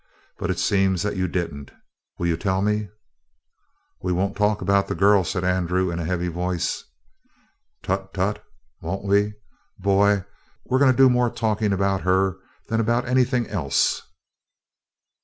But it seems that you didn't. Will you tell me?" "We won't talk about the girl," said Andrew in a heavy voice. "Tut, tut! Won't we? Boy, we're going to do more talking about her than about anything else.